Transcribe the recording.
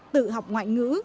tự học ngoại ngữ